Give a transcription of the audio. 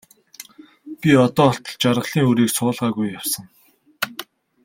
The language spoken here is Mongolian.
Би одоо болтол жаргалын үрийг суулгаагүй явсан.